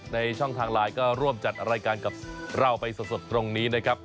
ช่องทางไลน์ก็ร่วมจัดรายการกับเราไปสดตรงนี้นะครับ